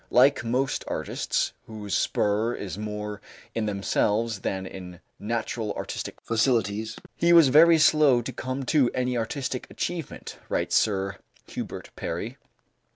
"Like most artists whose spur is more in themselves than in natural artistic facilities, he was very slow to come to any artistic achievement," writes Sir Hubert Parry.